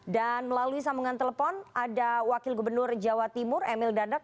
melalui sambungan telepon ada wakil gubernur jawa timur emil dadak